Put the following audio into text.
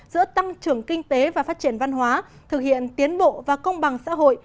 giữa tăng trưởng kinh tế và phát triển văn hóa thực hiện tiến bộ và công bằng xã hội